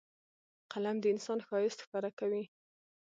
قلم د انسان ښایست ښکاره کوي